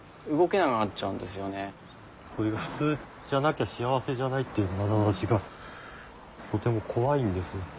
そういう普通じゃなきゃ幸せじゃないっていう習わしがとても怖いんです。